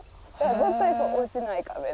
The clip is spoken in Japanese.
絶対に落ちない壁で。